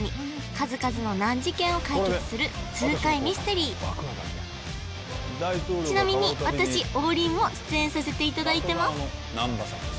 数々の難事件を解決する痛快ミステリーちなみに私王林も出演させていただいてます